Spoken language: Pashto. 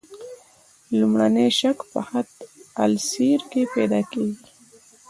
لومړنی شک په خط السیر کې پیدا کیږي.